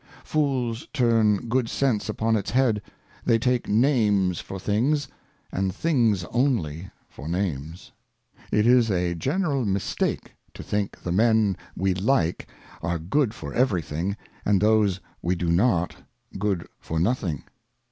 Fools turn Good Sense upon its Head, they take Names for Things, and Things only for Names. IT is a general Mistake to think the Men we like are good Partia for every thing, and those we do not, good for nothing.